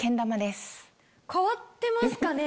変わってますかね？